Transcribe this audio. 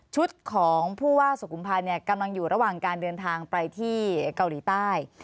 ของผู้ว่าสุขุมพันธ์กำลังอยู่ระหว่างการเดินทางไปที่เกาหลีใต้